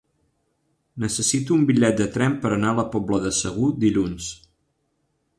Necessito un bitllet de tren per anar a la Pobla de Segur dilluns.